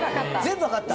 全部わかった。